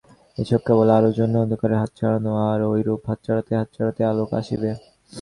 এ-সব কেবল আলোর জন্য অন্ধকারে হাতড়ানো, আর ঐরূপ হাতড়াইতে হাতড়াইতে আলোক আসিবে।